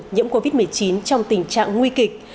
nhiễm covid một mươi chín trong tình trạng nguy kịch